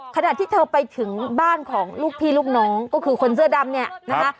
ขณะที่เธอไปถึงบ้านของลูกพี่ลูกน้องก็คือคนเสื้อดำเนี่ยนะคะ